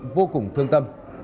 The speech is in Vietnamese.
vô cùng thương tâm